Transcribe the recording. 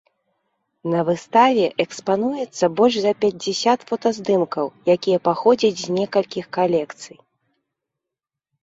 На выставе экспануецца больш за пяцьдзясят фотаздымкаў, якія паходзяць з некалькіх калекцый.